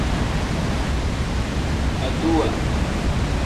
Aduwa.